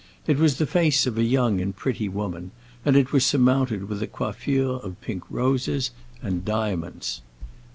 It was the face of a young and pretty woman, and it was surmounted with a coiffure of pink roses and diamonds.